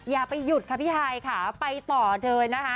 อย่าไปหยุดค่ะพี่ฮายค่ะไปต่อเถอะนะคะ